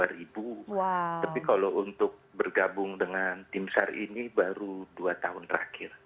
tapi kalau untuk bergabung dengan tim sar ini baru dua tahun terakhir